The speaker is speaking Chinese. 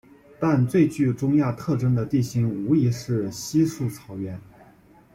但最具中亚特征的地形无疑是稀树草原。